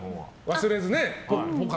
忘れずにね。